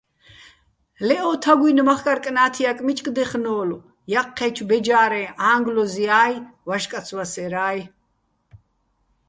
ლე ო თაგუჲნი̆ მახკარ-კნა́თიაკ მიჩკ დეხნო́ლო̆, ჲა́ხხეჩო̆ ბეჯა́რეჼ ა́ჼგლოზია́ჲ, ვაჟკაც ვასერა́ჲ.